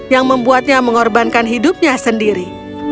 yang membuatnya mengorbankan hidupnya sendiri